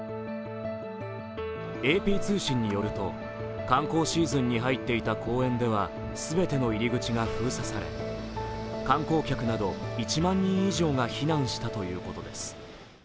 ＡＰ通信によると観光シーズンに入っていた公園では全ての入り口が封鎖され、観光客など１万人以上が避難したということです。